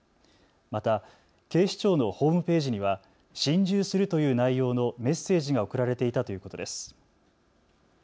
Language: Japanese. また警視庁のホームページには心中するという内容のメッセージが送られていたということです。